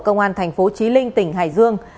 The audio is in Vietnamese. công an thành phố trí linh tỉnh hải dương